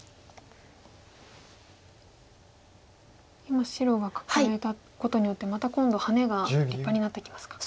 今白がカカえたことによってまた今度ハネが立派になってきますか。